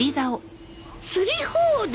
釣り放題？